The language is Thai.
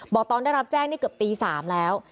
บอกตอนได้รับแจ้งนี่เกือบตี๓แล้ว